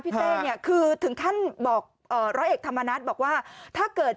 เต้เนี่ยคือถึงขั้นบอกเอ่อร้อยเอกธรรมนัฏบอกว่าถ้าเกิด